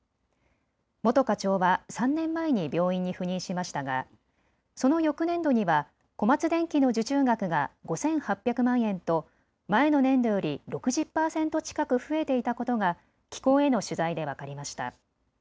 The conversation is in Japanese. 元課長は３年前に病院に赴任しましたがその翌年度には小松電器の受注額が５８００万円と前の年度より６０％近く増えていたことが機構への取材で分かりました。